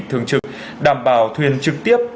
thường trực đảm bảo thuyền trực tiếp